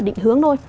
và định hướng thôi